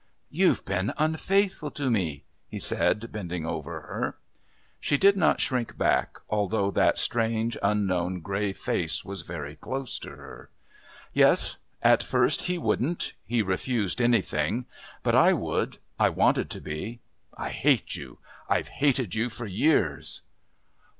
"You've been unfaithful to me?" he said, bending over her. She did not shrink back, although that strange, unknown, grey face was very close to her. "Yes. At first he wouldn't. He refused anything. But I would.... I wanted to be. I hate you. I've hated you for years."